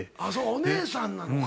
お姉さんなのか。